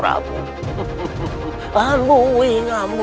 kamu harus berhubung dengan prabu